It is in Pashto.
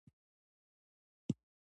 شوله! سپين سپيره شې.